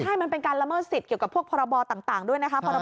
ใช่มันเป็นการละเมิดสิทธิเกี่ยวกับพวกพรบต่างด้วยนะคะ